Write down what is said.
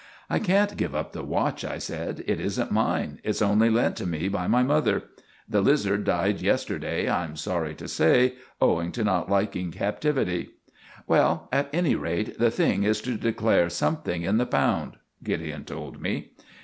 "I can't give up the watch," I said, "it isn't mine. It's only lent to me by my mother. The lizard died yesterday, I'm sorry to say, owing to not liking captivity." "Well, at any rate, the thing is to declare something in the pound," Gideon told me.